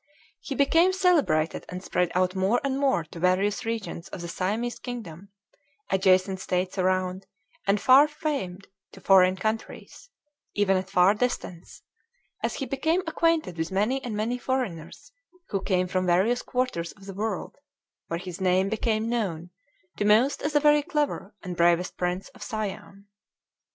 He became celebrated and spread out more and more to various regions of the Siamese kingdom, adjacent States around, and far famed to foreign countries, even at far distance, as he became acquainted with many and many foreigners, who came from various quarters of the world where his name became known to most as a very clever and bravest Prince of Siam....